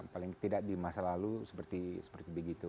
paling tidak di masa lalu seperti begitu